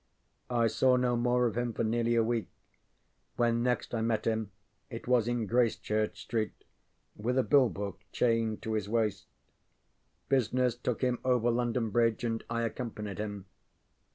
I saw no more of him for nearly a week. When next I met him it was in Gracechurch Street with a billbook chained to his waist. Business took him over London Bridge and I accompanied him.